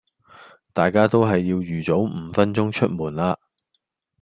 大家都係要預早五分鐘出門啦